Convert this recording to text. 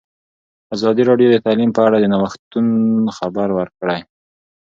ازادي راډیو د تعلیم په اړه د نوښتونو خبر ورکړی.